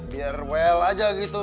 biar well aja gitu